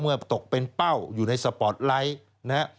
เมื่อตกเป็นเป้าอยู่ในสปอร์ตไลท์